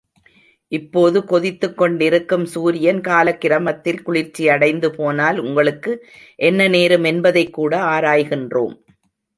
இப்போது கொதித்துக் கொண்டிருக்கும் சூரியன் காலக்கிரமத்தில் குளிர்ச்சியடைந்து போனால், உங்களுக்கு என்ன நேரும் என்பதைக்கூட ஆராய்கின்றோம்.